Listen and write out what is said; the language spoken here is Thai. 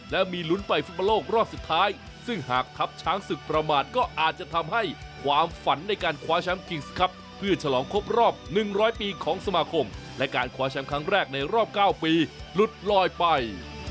และมีลุ้นไปฟุตบอลโลกรอบสุดท้ายซึ่งหากทัพช้างศึกประมาทก็อาจจะทำให้ความฝันในการคว้าแชมป์คิงส์ครับเพื่อฉลองครบรอบ๑๐๐ปีของสมาคมและการคว้าแชมป์ครั้งแรกในรอบ๙ปีหลุดลอยไป